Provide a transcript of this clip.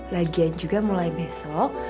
lagian juga mulai besok